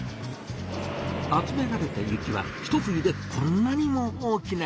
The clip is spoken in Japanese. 集められた雪はひと冬でこんなにも大きな雪山に！